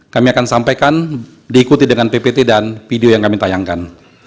kami akan sampaikan diikuti dengan ppt dan video yang kami tayangkan